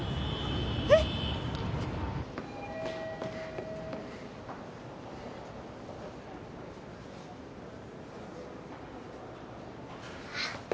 えっ！？あっ！